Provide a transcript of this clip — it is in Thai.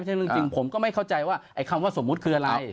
ซึ่งเรื่องจริงผมก็ไม่เข้าใจว่าไอ้คำว่าสมมุติคืออะไร